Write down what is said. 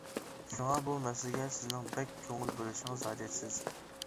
شۇڭا بۇ مەسىلىگە سىزنىڭ بەك كۆڭۈل بۆلۈشىڭىز ھاجەتسىز.